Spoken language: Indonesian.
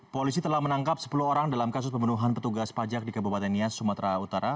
polisi telah menangkap sepuluh orang dalam kasus pembunuhan petugas pajak di kabupaten nias sumatera utara